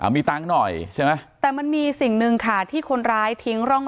มีตังค์หน่อยใช่ไหมแต่มันมีสิ่งหนึ่งค่ะที่คนร้ายทิ้งร่อง